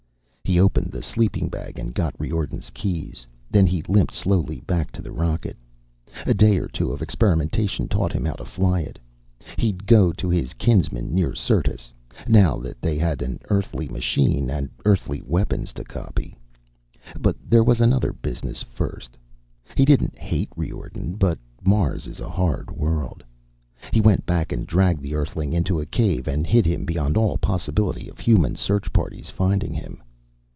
He opened the sleeping bag and got Riordan's keys. Then he limped slowly back to the rocket. A day or two of experimentation taught him how to fly it. He'd go to his kinsmen near Syrtis. Now that they had an Earthly machine, and Earthly weapons to copy But there was other business first. He didn't hate Riordan, but Mars is a hard world. He went back and dragged the Earthling into a cave and hid him beyond all possibility of human search parties finding him.